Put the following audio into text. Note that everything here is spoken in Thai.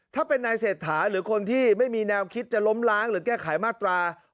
ถ้าเป็นนายเศรษฐาหรือคนที่ไม่มีแนวคิดจะล้มล้างหรือแก้ไขมาตรา๑๑